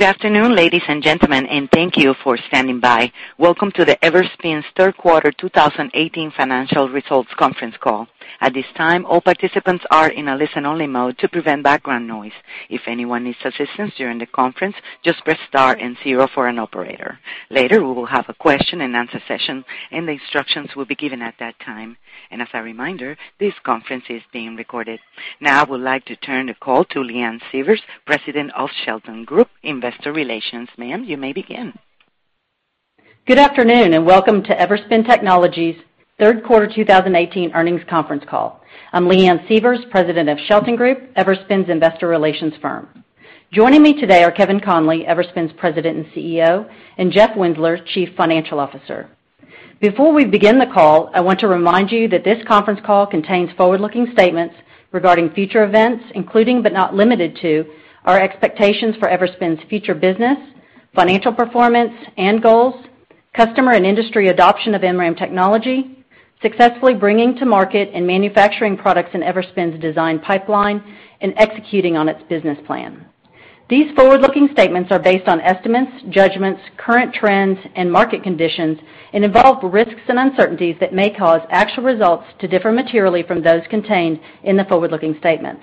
Good afternoon, ladies and gentlemen, and thank you for standing by. Welcome to Everspin's third quarter 2018 financial results conference call. At this time, all participants are in a listen-only mode to prevent background noise. If anyone needs assistance during the conference, just press star and zero for an operator. Later, we will have a question-and-answer session, and the instructions will be given at that time. As a reminder, this conference is being recorded. Now, I would like to turn the call to Leanne Sievers, President of Shelton Group Investor Relations. Ma'am, you may begin. Good afternoon, welcome to Everspin Technologies' third quarter 2018 earnings conference call. I'm Leanne Sievers, President of Shelton Group, Everspin's investor relations firm. Joining me today are Kevin Conley, Everspin's President and CEO, and Jeff Winzeler, Chief Financial Officer. Before we begin the call, I want to remind you that this conference call contains forward-looking statements regarding future events, including, but not limited to, our expectations for Everspin's future business, financial performance, and goals, customer and industry adoption of MRAM technology, successfully bringing to market and manufacturing products in Everspin's design pipeline, and executing on its business plan. These forward-looking statements are based on estimates, judgments, current trends, and market conditions and involve risks and uncertainties that may cause actual results to differ materially from those contained in the forward-looking statements.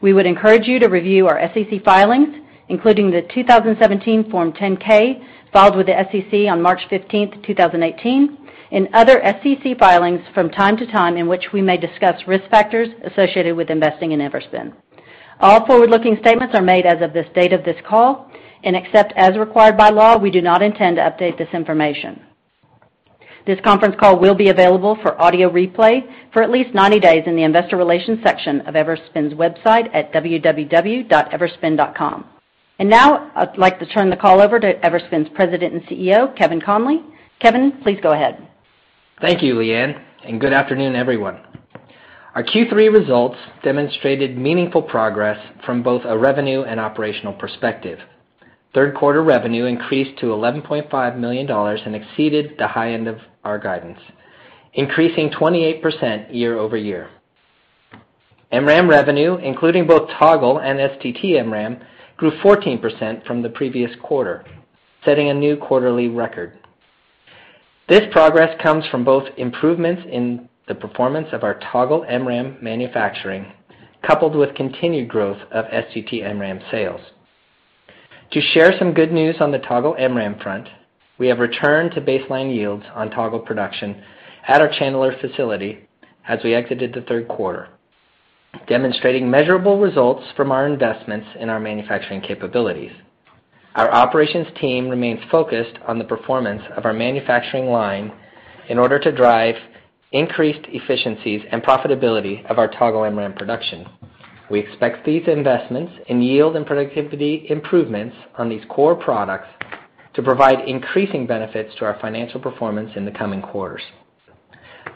We would encourage you to review our SEC filings, including the 2017 Form 10-K filed with the SEC on March 15, 2018, and other SEC filings from time to time in which we may discuss risk factors associated with investing in Everspin. All forward-looking statements are made as of this date of this call, and except as required by law, we do not intend to update this information. This conference call will be available for audio replay for at least 90 days in the investor relations section of Everspin's website at www.everspin.com. Now, I'd like to turn the call over to Everspin's President and CEO, Kevin Conley. Kevin, please go ahead. Thank you, Leanne, and good afternoon, everyone. Our Q3 results demonstrated meaningful progress from both a revenue and operational perspective. Third quarter revenue increased to $11.5 million and exceeded the high end of our guidance, increasing 28% year-over-year. MRAM revenue, including both Toggle and STT-MRAM, grew 14% from the previous quarter, setting a new quarterly record. This progress comes from both improvements in the performance of our Toggle MRAM manufacturing, coupled with continued growth of STT-MRAM sales. To share some good news on the Toggle MRAM front, we have returned to baseline yields on Toggle production at our Chandler facility as we exited the third quarter, demonstrating measurable results from our investments in our manufacturing capabilities. Our operations team remains focused on the performance of our manufacturing line in order to drive increased efficiencies and profitability of our Toggle MRAM production. We expect these investments in yield and productivity improvements on these core products to provide increasing benefits to our financial performance in the coming quarters.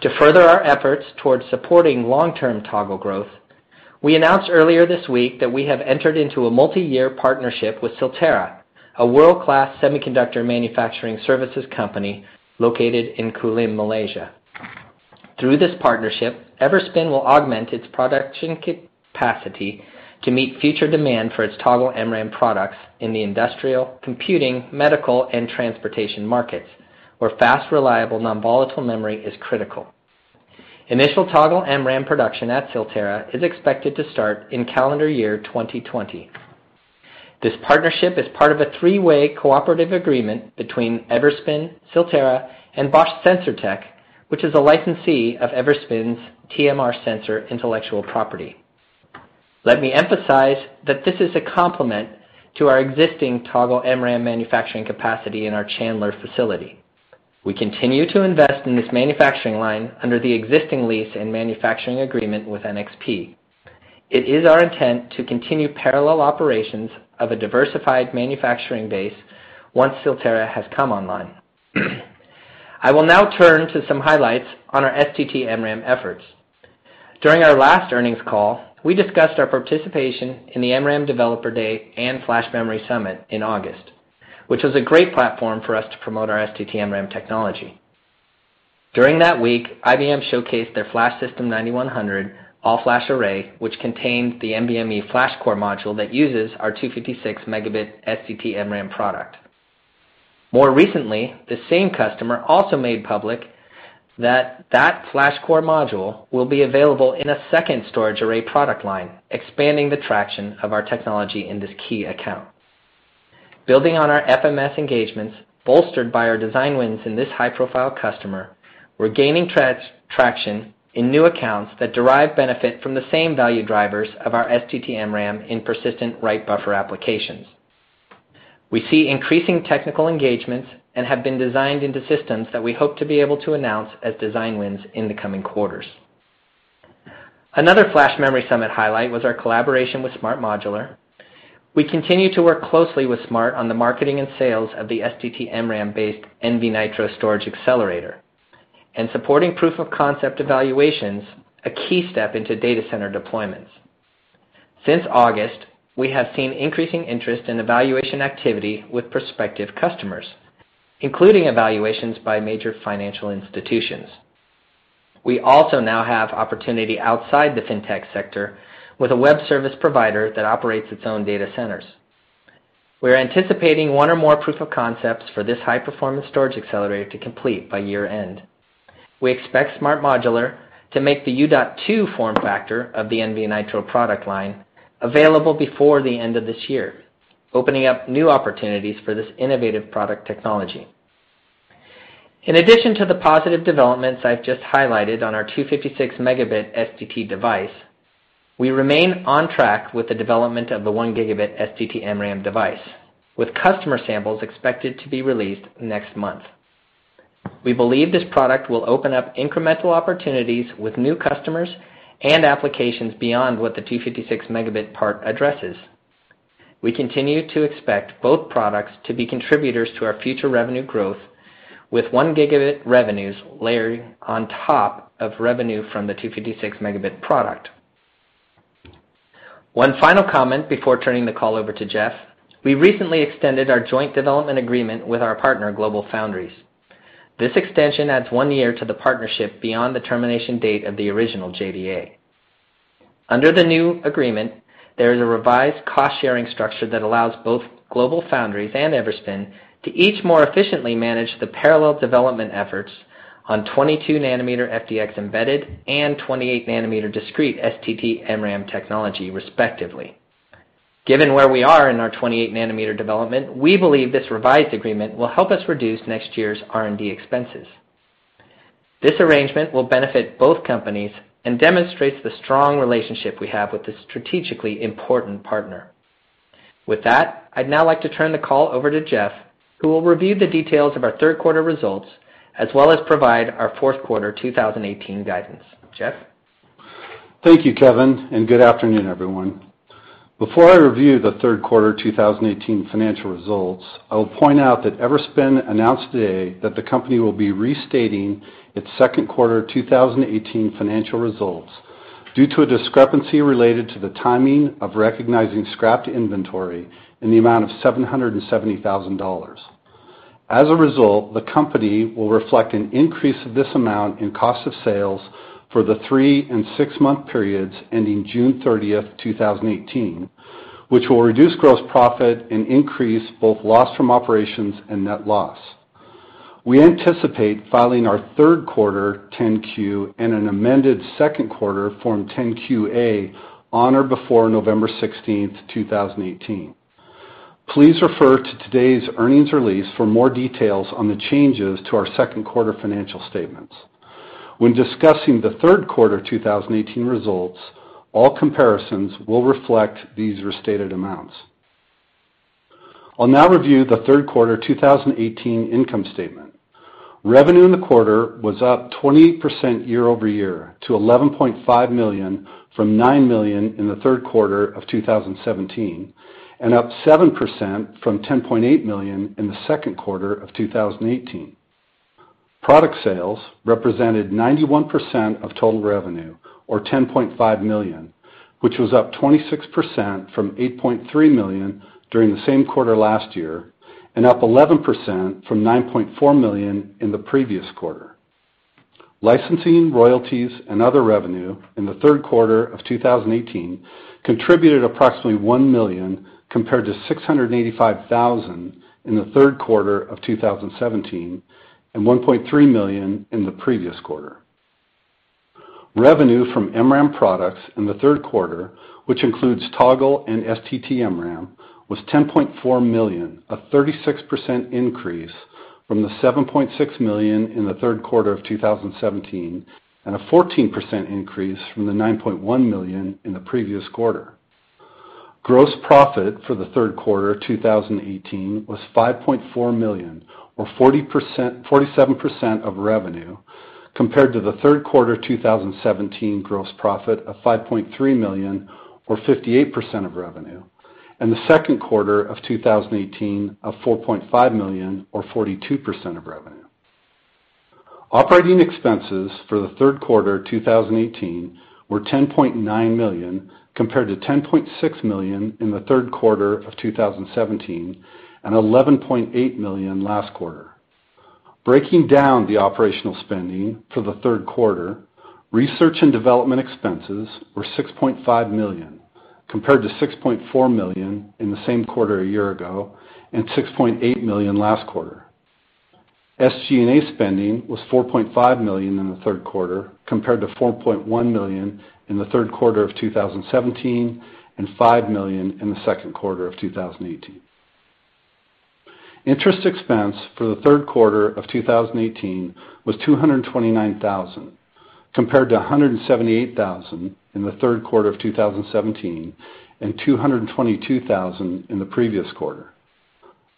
To further our efforts towards supporting long-term Toggle growth, we announced earlier this week that we have entered into a multi-year partnership with SilTerra, a world-class semiconductor manufacturing services company located in Kulim, Malaysia. Through this partnership, Everspin will augment its production capacity to meet future demand for its Toggle MRAM products in the industrial, computing, medical, and transportation markets, where fast, reliable, non-volatile memory is critical. Initial Toggle MRAM production at SilTerra is expected to start in calendar year 2020. This partnership is part of a three-way cooperative agreement between Everspin, SilTerra, and Bosch Sensortec, which is a licensee of Everspin's TMR sensor intellectual property. Let me emphasize that this is a complement to our existing Toggle MRAM manufacturing capacity in our Chandler facility. We continue to invest in this manufacturing line under the existing lease and manufacturing agreement with NXP. It is our intent to continue parallel operations of a diversified manufacturing base once SilTerra has come online. I will now turn to some highlights on our STT-MRAM efforts. During our last earnings call, we discussed our participation in the MRAM Developer Day and Flash Memory Summit in August, which was a great platform for us to promote our STT-MRAM technology. During that week, IBM showcased their FlashSystem 9100 all-flash array, which contained the NVMe FlashCore Module that uses our 256 Mb STT-MRAM product. More recently, the same customer also made public that that FlashCore Module will be available in a second storage array product line, expanding the traction of our technology in this key account. Building on our FMS engagements, bolstered by our design wins in this high-profile customer, we are gaining traction in new accounts that derive benefit from the same value drivers of our STT-MRAM in persistent write buffer applications. We see increasing technical engagements and have been designed into systems that we hope to be able to announce as design wins in the coming quarters. Another Flash Memory Summit highlight was our collaboration with SMART Modular. We continue to work closely with SMART on the marketing and sales of the STT-MRAM based nvNITRO Storage Accelerator and supporting proof of concept evaluations, a key step into data center deployments. Since August, we have seen increasing interest in evaluation activity with prospective customers, including evaluations by major financial institutions. We also now have opportunity outside the fintech sector with a web service provider that operates its own data centers. We are anticipating one or more proof of concepts for this high-performance storage accelerator to complete by year-end. We expect SMART Modular to make the U.2 form factor of the nvNITRO product line available before the end of this year, opening up new opportunities for this innovative product technology. In addition to the positive developments I have just highlighted on our 256 Mb STT device, we remain on track with the development of the 1 Gb STT-MRAM device, with customer samples expected to be released next month. We believe this product will open up incremental opportunities with new customers and applications beyond what the 256 Mb part addresses. We continue to expect both products to be contributors to our future revenue growth, with 1 Gb revenues layering on top of revenue from the 256 Mb product. One final comment before turning the call over to Jeff. We recently extended our joint development agreement with our partner, GlobalFoundries. This extension adds one year to the partnership beyond the termination date of the original JDA. Under the new agreement, there is a revised cost-sharing structure that allows both GlobalFoundries and Everspin to each more efficiently manage the parallel development efforts on 22 nm FDX embedded and 28 nm discrete STT-MRAM technology, respectively. Given where we are in our 28 nm development, we believe this revised agreement will help us reduce next year's R&D expenses. This arrangement will benefit both companies and demonstrates the strong relationship we have with this strategically important partner. With that, I'd now like to turn the call over to Jeff, who will review the details of our third quarter results, as well as provide our fourth quarter 2018 guidance. Jeff. Thank you, Kevin, and good afternoon, everyone. Before I review the third quarter 2018 financial results, I will point out that Everspin announced today that the company will be restating its second quarter 2018 financial results due to a discrepancy related to the timing of recognizing scrapped inventory in the amount of $770,000. As a result, the company will reflect an increase of this amount in cost of sales for the three and six-month periods ending June 30th, 2018, which will reduce gross profit and increase both loss from operations and net loss. We anticipate filing our third quarter Form 10-Q and an amended second quarter Form 10-Q/A on or before November 16th, 2018. Please refer to today's earnings release for more details on the changes to our second-quarter financial statements. When discussing the third quarter 2018 results, all comparisons will reflect these restated amounts. I'll now review the third quarter 2018 income statement. Revenue in the quarter was up 20% year-over-year to $11.5 million from $9 million in the third quarter of 2017, and up 7% from $10.8 million in the second quarter of 2018. Product sales represented 91% of total revenue or $10.5 million, which was up 26% from $8.3 million during the same quarter last year, and up 11% from $9.4 million in the previous quarter. Licensing, royalties, and other revenue in the third quarter of 2018 contributed approximately $1 million, compared to $685,000 in the third quarter of 2017, and $1.3 million in the previous quarter. Revenue from MRAM products in the third quarter, which includes Toggle and STT-MRAM, was $10.4 million, a 36% increase from the $7.6 million in the third quarter of 2017, and a 14% increase from the $9.1 million in the previous quarter. Gross profit for the third quarter 2018 was $5.4 million or 47% of revenue, compared to the third quarter 2017 gross profit of $5.3 million or 58% of revenue, and the second quarter of 2018 of $4.5 million or 42% of revenue. Operating expenses for the third quarter 2018 were $10.9 million, compared to $10.6 million in the third quarter of 2017 and $11.8 million last quarter. Breaking down the operational spending for the third quarter, research and development expenses were $6.5 million, compared to $6.4 million in the same quarter a year ago and $6.8 million last quarter. SG&A spending was $4.5 million in the third quarter, compared to $4.1 million in the third quarter of 2017 and $5 million in the second quarter of 2018. Interest expense for the third quarter of 2018 was $229,000, compared to $178,000 in the third quarter of 2017 and $222,000 in the previous quarter.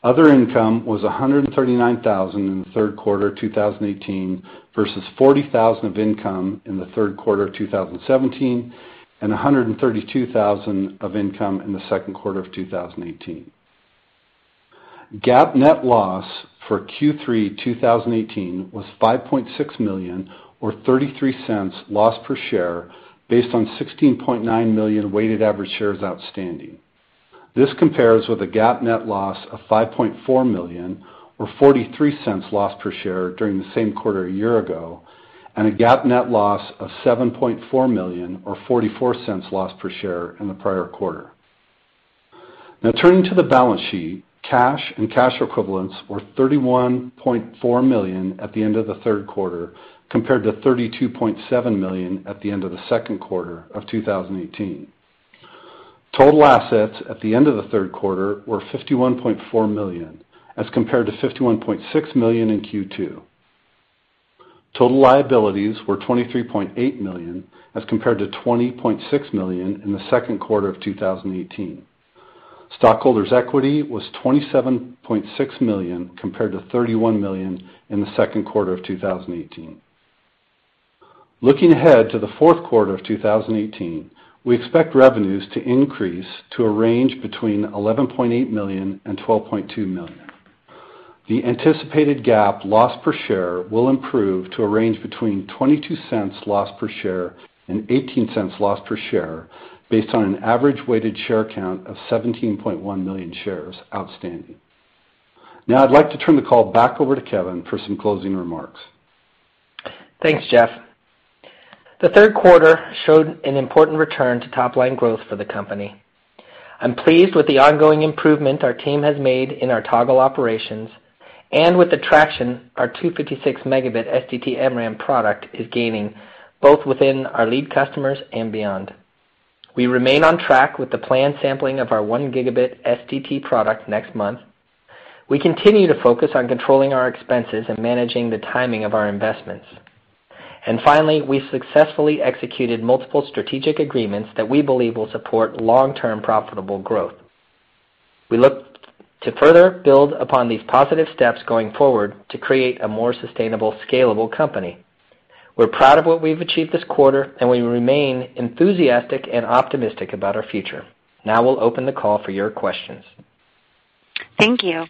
Other income was $139,000 in the third quarter 2018 versus $40,000 of income in the third quarter of 2017, and $132,000 of income in the second quarter of 2018. GAAP net loss for Q3 2018 was $5.6 million or $0.33 loss per share based on 16.9 million weighted average shares outstanding. This compares with a GAAP net loss of $5.4 million or $0.43 loss per share during the same quarter a year ago, and a GAAP net loss of $7.4 million or $0.44 loss per share in the prior quarter. Turning to the balance sheet, cash and cash equivalents were $31.4 million at the end of the third quarter, compared to $32.7 million at the end of the second quarter of 2018. Total assets at the end of the third quarter were $51.4 million as compared to $51.6 million in Q2. Total liabilities were $23.8 million as compared to $20.6 million in the second quarter of 2018. Stockholders equity was $27.6 million compared to $31 million in the second quarter of 2018. Looking ahead to the fourth quarter of 2018, we expect revenues to increase to a range between $11.8 million and $12.2 million. The anticipated GAAP loss per share will improve to a range between $0.22 loss per share and $0.18 loss per share, based on an average weighted share count of 17.1 million shares outstanding. I'd like to turn the call back over to Kevin for some closing remarks. Thanks, Jeff. The third quarter showed an important return to top-line growth for the company. I'm pleased with the ongoing improvement our team has made in our Toggle operations and with the traction our 256 Mb STT-MRAM product is gaining, both within our lead customers and beyond. We remain on track with the planned sampling of our 1 Gb STT product next month. We continue to focus on controlling our expenses and managing the timing of our investments. Finally, we successfully executed multiple strategic agreements that we believe will support long-term profitable growth. We look to further build upon these positive steps going forward to create a more sustainable, scalable company. We're proud of what we've achieved this quarter, and we remain enthusiastic and optimistic about our future. We'll open the call for your questions. Thank you.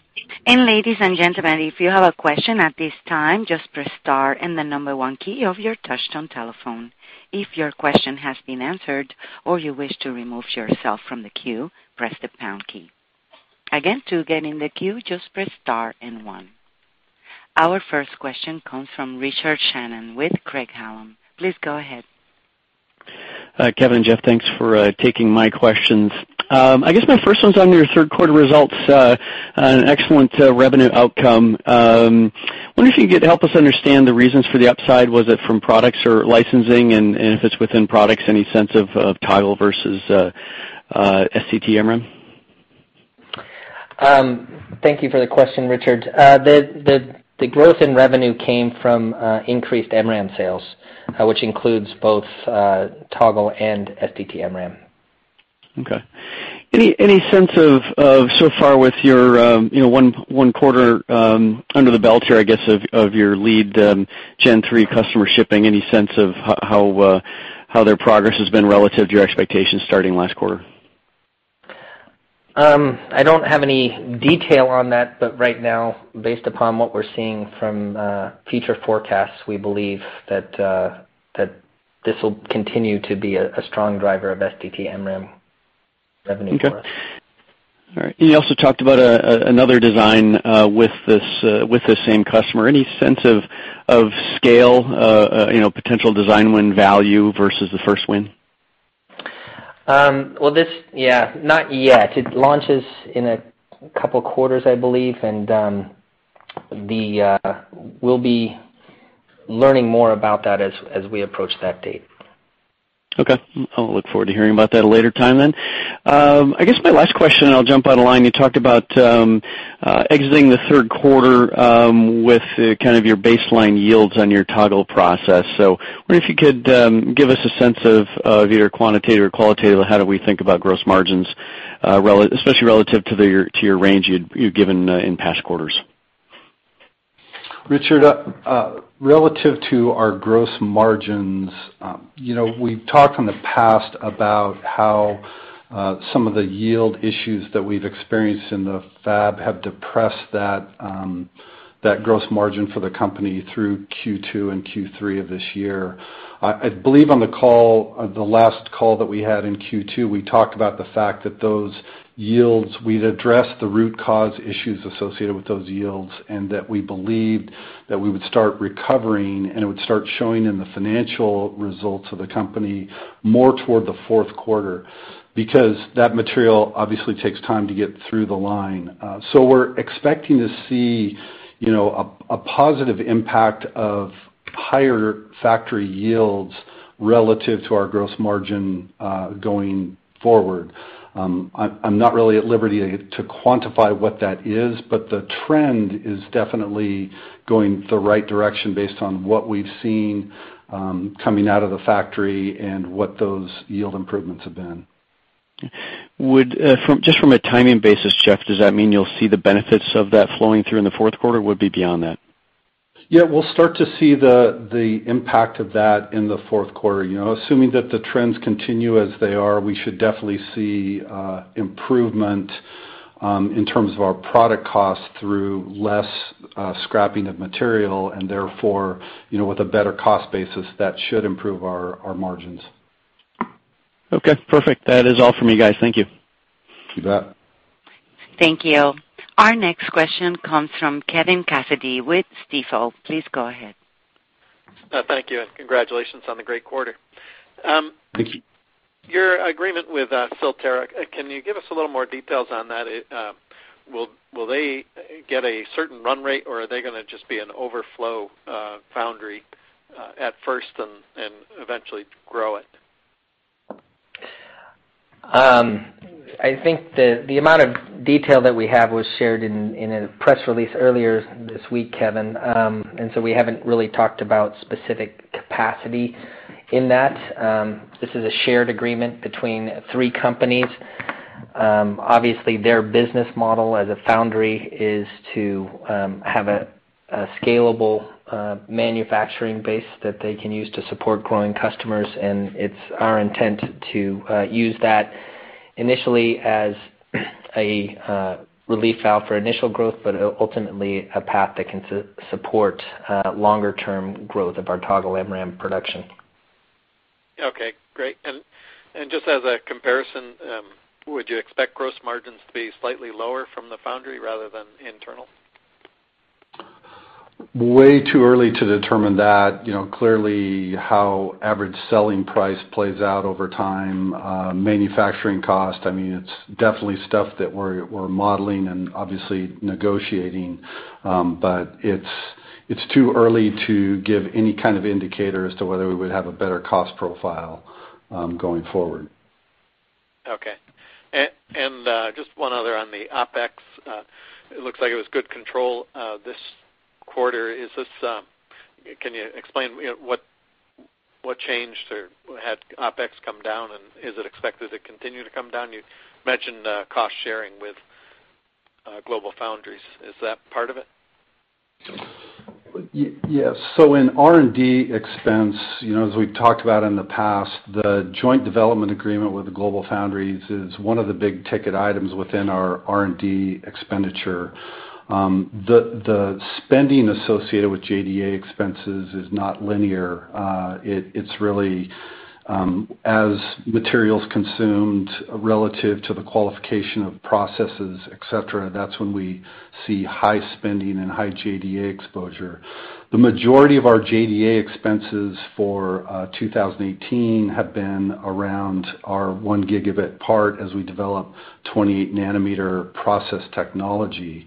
Ladies and gentlemen, if you have a question at this time, just press star and the number one key of your touchtone telephone. If your question has been answered or you wish to remove yourself from the queue, press the pound key. Again, to get in the queue, just press star and one. Our first question comes from Richard Shannon with Craig-Hallum. Please go ahead. Kevin and Jeff, thanks for taking my questions. I guess my first one's on your third quarter results, an excellent revenue outcome. Wonder if you could help us understand the reasons for the upside. Was it from products or licensing? If it's within products, any sense of Toggle versus STT-MRAM? Thank you for the question, Richard. The growth in revenue came from increased MRAM sales, which includes both Toggle and STT-MRAM. Okay. Any sense of so far with your, you know, one quarter under the belt here, I guess, of your lead Gen3 customer shipping, any sense of how their progress has been relative to your expectations starting last quarter? I don't have any detail on that. Right now, based upon what we're seeing from future forecasts, we believe that this will continue to be a strong driver of STT-MRAM revenue for us. Okay. All right. You also talked about another design with this same customer. Any sense of scale, you know, potential design win value versus the first win? Well, this, yeah, not yet. It launches in a couple quarters, I believe, and we'll be learning more about that as we approach that date. Okay. I'll look forward to hearing about that at a later time then. I guess my last question, I'll jump on the line, you talked about exiting the third quarter with kind of your baseline yields on your Toggle process. Wonder if you could give us a sense of either quantitative or qualitative, how do we think about gross margins, especially relative to your range you'd given in past quarters. Richard, relative to our gross margins, you know, we've talked in the past about how some of the yield issues that we've experienced in the fab have depressed that gross margin for the company through Q2 and Q3 of this year. I believe on the call, on the last call that we had in Q2, we talked about the fact that those yields, we'd addressed the root cause issues associated with those yields, and that we believed that we would start recovering, and it would start showing in the financial results of the company more toward the fourth quarter, because that material obviously takes time to get through the line. We're expecting to see, you know, a positive impact of higher factory yields relative to our gross margin, going forward. I'm not really at liberty to quantify what that is, but the trend is definitely going the right direction based on what we've seen coming out of the factory and what those yield improvements have been. Would, just from a timing basis, Jeff, does that mean you'll see the benefits of that flowing through in the fourth quarter, or would it be beyond that? Yeah, we'll start to see the impact of that in the fourth quarter. You know, assuming that the trends continue as they are, we should definitely see improvement in terms of our product cost through less scrapping of material, and therefore, with a better cost basis, that should improve our margins. Okay, perfect. That is all from me, guys. Thank you. You bet. Thank you. Our next question comes from Kevin Cassidy with Stifel. Please go ahead. Thank you. Congratulations on the great quarter. Thank you. Your agreement with SilTerra, can you give us a little more details on that? Will they get a certain run rate, or are they going to just be an overflow foundry at first and eventually grow it? I think the amount of detail that we have was shared in a press release earlier this week, Kevin. We haven't really talked about specific capacity in that. This is a shared agreement between three companies. Obviously, their business model as a foundry is to have a scalable manufacturing base that they can use to support growing customers, and it's our intent to use that initially as a relief valve for initial growth, but ultimately, a path that can support longer-term growth of our Toggle MRAM production. Okay. Great. Just as a comparison, would you expect gross margins to be slightly lower from the foundry rather than internal? Way too early to determine that. Clearly, how average selling price plays out over time, manufacturing cost, it's definitely stuff that we're modeling and obviously negotiating. It's too early to give any kind of indicator as to whether we would have a better cost profile going forward. Okay. Just one other on the OpEx. It looks like it was good control this quarter. Can you explain what changed or had OpEx come down, and is it expected to continue to come down? You mentioned cost-sharing with GlobalFoundries. Is that part of it? Yes. In R&D expense, as we've talked about in the past, the joint development agreement with GlobalFoundries is one of the big-ticket items within our R&D expenditure. The spending associated with JDA expenses is not linear. It's really as materials consumed relative to the qualification of processes, et cetera, that's when we see high spending and high JDA exposure. The majority of our JDA expenses for 2018 have been around our 1 Gb part as we develop 28 nm process technology.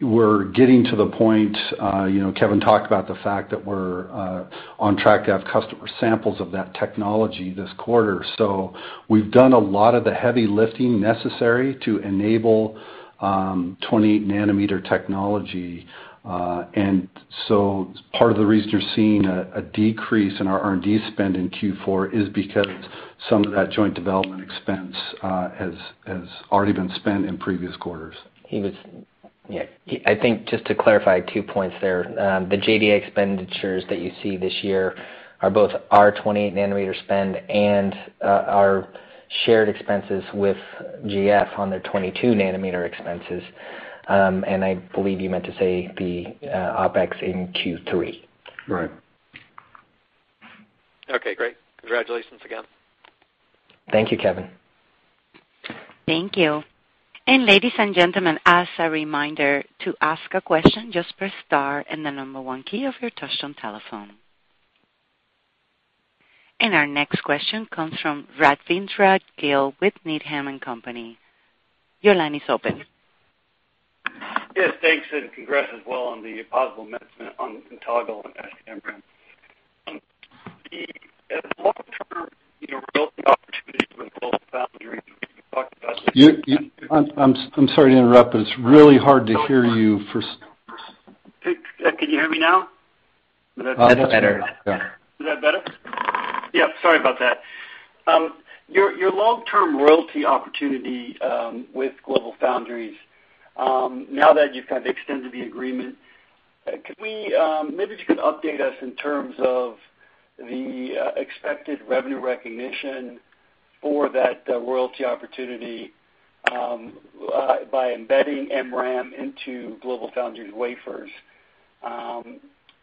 We're getting to the point, Kevin talked about the fact that we're on track to have customer samples of that technology this quarter. We've done a lot of the heavy lifting necessary to enable 28 nm technology. Part of the reason you're seeing a decrease in our R&D spend in Q4 is because some of that joint development expense has already been spent in previous quarters. I think just to clarify two points there. The JDA expenditures that you see this year are both our 28 nm spend and our shared expenses with GF on their 22 nm expenses. I believe you meant to say the OpEx in Q3. Right. Okay, great. Congratulations again. Thank you, Kevin. Thank you. Ladies and gentlemen, as a reminder, to ask a question, just press star and the number one key of your touch-tone telephone. Our next question comes from Rajvindra Gill with Needham & Company. Your line is open. Yes, thanks, and congrats as well on the possible announcement on Toggle and STT-MRAM. As a long-term royalty opportunity with GlobalFoundries. I'm sorry to interrupt, but it's really hard to hear you. Can you hear me now? That's better. Yeah. Is that better? Yep, sorry about that. Your long-term royalty opportunity with GlobalFoundries, now that you've kind of extended the agreement, maybe you could update us in terms of the expected revenue recognition for that royalty opportunity by embedding MRAM into GlobalFoundries wafers.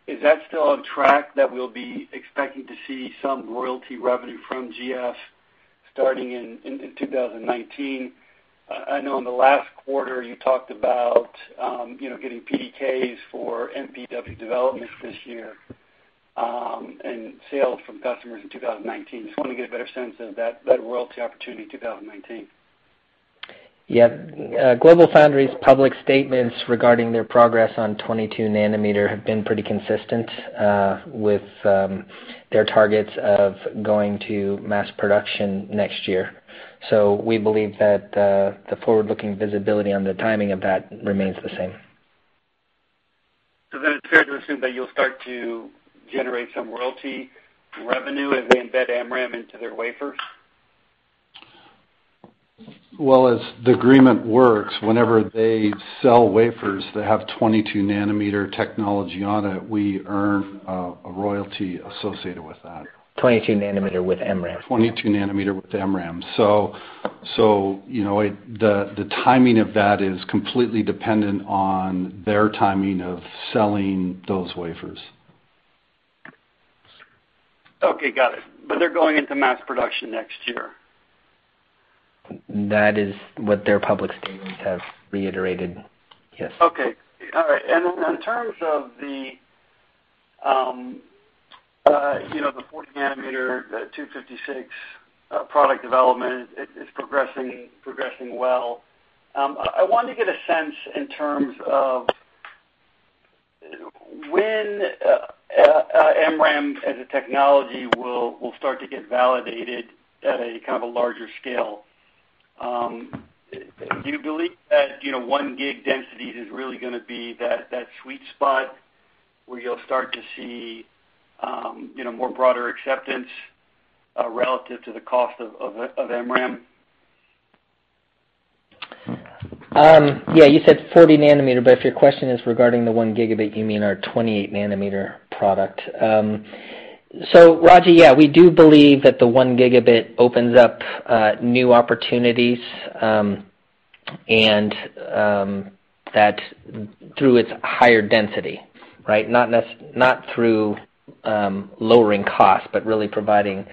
Is that still on track that we'll be expecting to see some royalty revenue from GF starting in 2019? I know in the last quarter you talked about getting PDKs for MPW development this year, and sales from customers in 2019. Just want to get a better sense of that royalty opportunity in 2019. Yeah. GlobalFoundries public statements regarding their progress on 22 nm have been pretty consistent with their targets of going to mass production next year. We believe that the forward-looking visibility on the timing of that remains the same. It's fair to assume that you'll start to generate some royalty revenue as they embed MRAM into their wafers? Well, as the agreement works, whenever they sell wafers that have 22 nm technology on it, we earn a royalty associated with that. 22 nm with MRAM. 22 nm with MRAM. The timing of that is completely dependent on their timing of selling those wafers. Okay. Got it. They're going into mass production next year. That is what their public statements have reiterated, yes. Okay. All right. In terms of the 40 nm, the 256 Mb product development, it is progressing well. I wanted to get a sense in terms of when MRAM as a technology will start to get validated at a kind of a larger scale. Do you believe that 1 gig density is really gonna be that sweet spot where you'll start to see more broader acceptance relative to the cost of MRAM? Yeah, you said 40 nm, if your question is regarding the 1 Gb, you mean our 28 nm product. Raji, yeah, we do believe that the 1 Gb opens up new opportunities, and that through its higher density, right? Not through lowering cost but really providing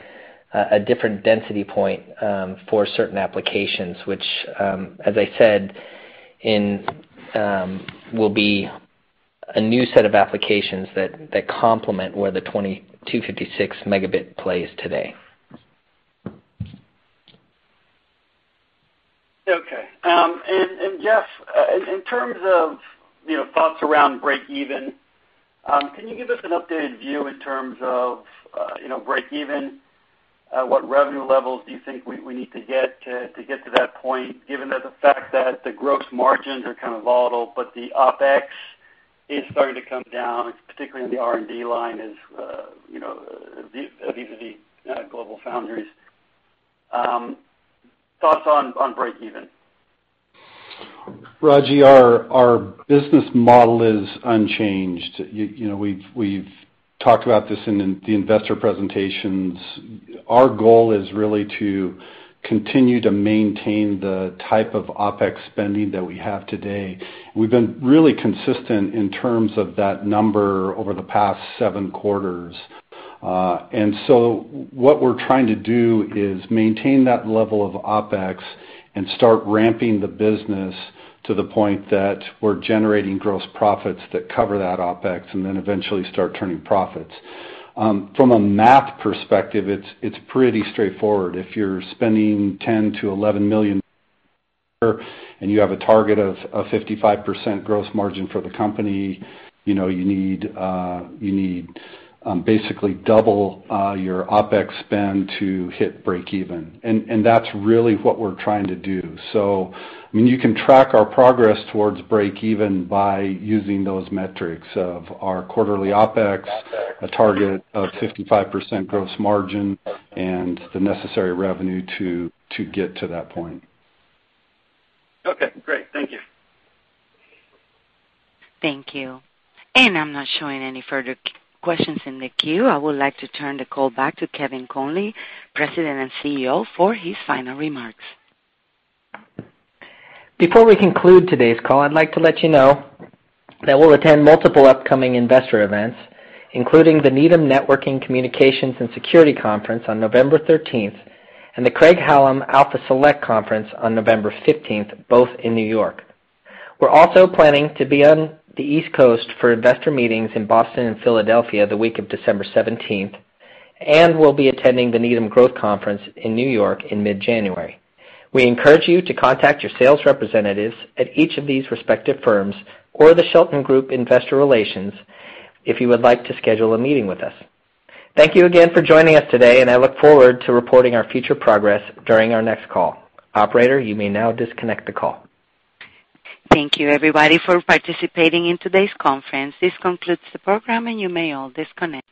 a different density point for certain applications which, as I said, will be a new set of applications that complement where the 256 Mb plays today. Okay. Jeff, in terms of thoughts around breakeven, can you give us an updated view in terms of breakeven? What revenue levels do you think we need to get to get to that point, given the fact that the gross margins are kind of volatile, but the OpEx is starting to come down, particularly in the R&D line at GlobalFoundries. Thoughts on breakeven. Raji, our business model is unchanged. We've talked about this in the investor presentations. Our goal is really to continue to maintain the type of OpEx spending that we have today. We've been really consistent in terms of that number over the past seven quarters. What we're trying to do is maintain that level of OpEx and start ramping the business to the point that we're generating gross profits that cover that OpEx, then eventually start turning profits. From a math perspective, it's pretty straightforward. If you're spending $10 million-$11 million and you have a target of a 55% gross margin for the company, you need basically double your OpEx spend to hit breakeven. That's really what we're trying to do. I mean, you can track our progress towards breakeven by using those metrics of our quarterly OpEx, a target of 55% gross margin, and the necessary revenue to get to that point. Okay, great. Thank you. Thank you. I'm not showing any further questions in the queue. I would like to turn the call back to Kevin Conley, President and CEO, for his final remarks. Before we conclude today's call, I'd like to let you know that we'll attend multiple upcoming investor events, including the Needham Networking, Communications & Security Conference on November 13th and the Craig-Hallum Alpha Select Conference on November 15th, both in New York. We're also planning to be on the East Coast for investor meetings in Boston and Philadelphia the week of December 17th, and we'll be attending the Needham Growth Conference in New York in mid-January. We encourage you to contact your sales representatives at each of these respective firms or the Shelton Group Investor Relations if you would like to schedule a meeting with us. Thank you again for joining us today, and I look forward to reporting our future progress during our next call. Operator, you may now disconnect the call. Thank you everybody for participating in today's conference. This concludes the program, and you may all disconnect.